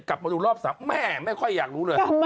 กลับมาดูรอบ๓แม่ไม่ค่อยอยากรู้เลย